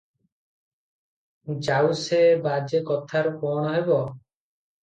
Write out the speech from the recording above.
ଯାଉ, ସେ ବାଜେ କଥାରୁ କ'ଣ ହେବ?